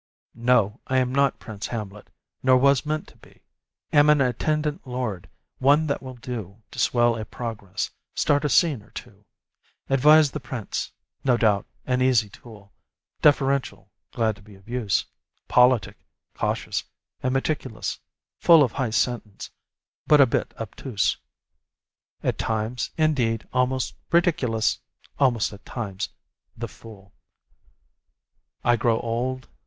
No! I am not Prince Hamlet, nor was meant to be; Am an attendant lord, one that will do To swell a progress, start a scene or two, Advise the prince; no doubt, an easy tool, Deferential, glad to be of use, Politic, cautious, and meticulous; Full of high sentence, but a bit obtuse; At times, indeed, almost ridiculous Almost, at times, the Fool. I grow old